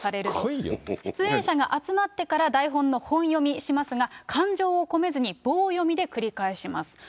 出演者が集まってから、台本の本読みしますが、感情を込めずに、棒読みで繰り返します。